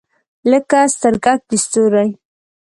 لکه سترګګ د ستوری